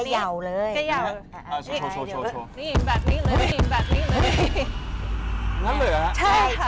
กระเยาอ่าโชว์โชว์โชว์โชว์นี่แบบนี้เลยนี่แบบนี้เลยนั่นเหรอใช่ค่ะ